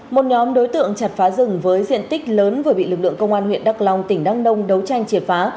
một nhóm đối tượng chặt phá rừng với diện tích lớn vừa bị lực lượng công an huyện đắk long tỉnh đăng nông đấu tranh triệt phá